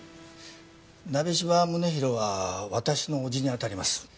鍋島宗広は私のおじにあたります。